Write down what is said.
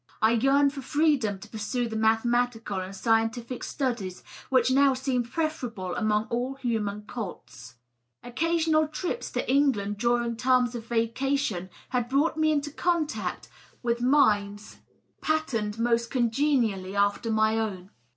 I yearned for freedom to pursue the mathematical and scientific studies which now seemed preferable among all human cults. Occasional trips to England during terms of vacation had brought me into contact with minds pat 550 DOUGLAS DUANE, terned most congenially after my own.